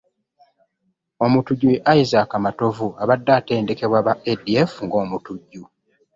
Omutujju ye Isaac Matovu abadde atendekebwa aba ADF ng'omutujju